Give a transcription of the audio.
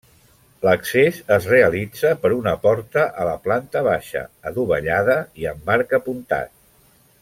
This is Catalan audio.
L'accés es realitza per una porta a la planta baixa, adovellada i amb arc apuntat.